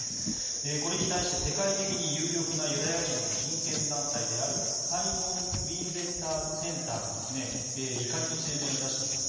これに対して世界的に有力なユダヤ人の人権団体であるサイモン・ウィーゼンタール・センターが怒りの声明を出しています。